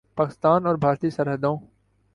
پاکستان اور بھارتی سرحدوں